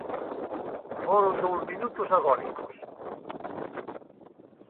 Foron dous minutos agónicos.